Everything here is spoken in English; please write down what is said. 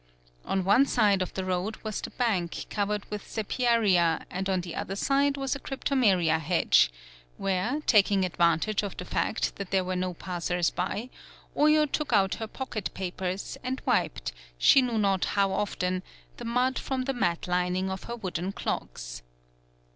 On one side of the road was the bank covered with sepiaria and on the other side was a cryptomeria hedge, where, taking advantage of the fact that there were no passers by, Oyo took out her pocket papers and wiped, she knew not how often, the mud from the mat lining of her wooden clogs.